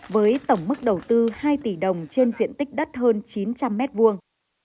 với tổng mức đầu tư hai tỷ đồng trên diện tích đất hơn chín trăm linh mét vuông